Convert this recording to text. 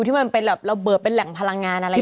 ที่มันเป็นแบบระเบิดเป็นแหล่งพลังงานอะไรอย่างนี้